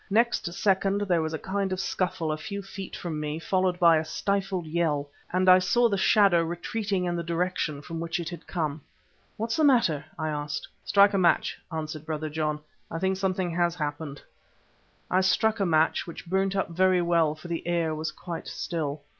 Next second there was a kind of scuffle a few feet from me, followed by a stifled yell, and I saw the shadow retreating in the direction from which it had come. "What's the matter?" I asked. "Strike a match," answered Brother John; "I think something has happened." I struck a match, which burnt up very well, for the air was quite still.